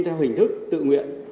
theo hình thức tự nguyện